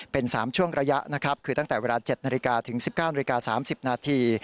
เป็น๓ช่วงระยะนะครับคือตั้งแต่เวลา๗นาฬิกาถึง๑๙นาฬิกา๓๐นาที